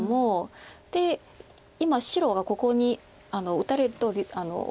で今白がここに打たれると。